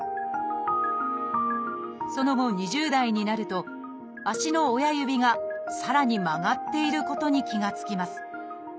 その後２０代になると足の親指がさらに曲がっていることに気が付きます。